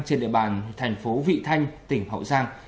trên địa bàn thành phố vị thanh tỉnh hậu giang